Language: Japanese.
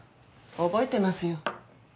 覚えてますよ。